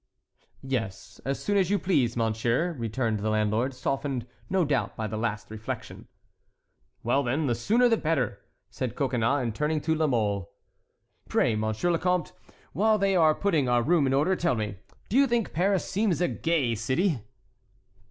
"Yes, as soon as you please, monsieur," returned the landlord, softened, no doubt, by the last reflection. "Well, then, the sooner the better," said Coconnas; and turning to La Mole: "Pray, Monsieur le Comte, while they are putting our room in order, tell me, do you think Paris seems a gay city?"